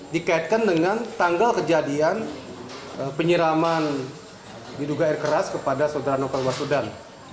dikaitkan dengan tanggal kejadian penyiraman diduga air keras kepada saudara novel baswedan